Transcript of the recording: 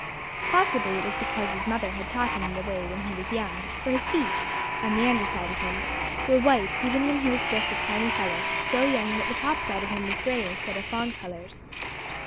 Possibly it was because his mother had taught him the way when he was young; for his feet and the under side of him were white even when he was just a tiny fellow, so young that the top side of him was gray instead of fawn colored.